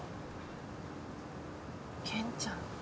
健ちゃん。